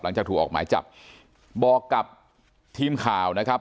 หลังจากถูกออกหมายจับบอกกับทีมข่าวนะครับ